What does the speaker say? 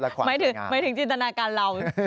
มาถึงจินตนาการเรา